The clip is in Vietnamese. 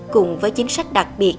cùng với chính sách đặc biệt